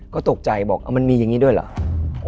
ก็ตกใจบอกมันมีอย่างนี้ด้วยเหรอ